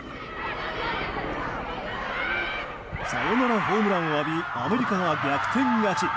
サヨナラホームランを浴びアメリカが逆転勝ち。